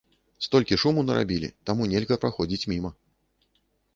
Столькі шуму нарабілі, таму нельга праходзіць міма.